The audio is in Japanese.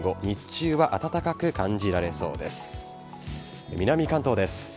日中は暖かく感じられそうです。